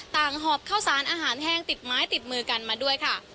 หอบข้าวสารอาหารแห้งติดไม้ติดมือกันมาด้วยค่ะ